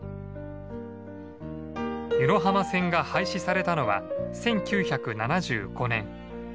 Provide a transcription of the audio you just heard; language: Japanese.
湯野浜線が廃止されたのは１９７５年。